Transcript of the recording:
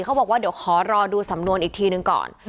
เขาบอกว่าเดี๋ยวขอรอดูสำนวนอีกทีหนึ่งก่อน